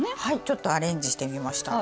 ちょっとアレンジしてみました。